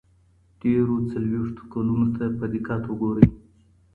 تېرو څلوېښتو کلونو ته په دقت وګورئ.